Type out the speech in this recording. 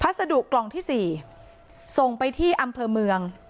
สดุกล่องที่๔ส่งไปที่อำเภอเมือง